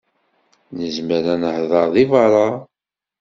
Nezmer ad nehder deg berra.